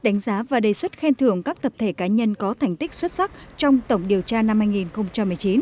đánh giá và đề xuất khen thưởng các tập thể cá nhân có thành tích xuất sắc trong tổng điều tra năm hai nghìn một mươi chín